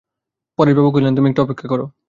পরেশবাবু কহিলেন, তুমি একটু অপেক্ষা করো।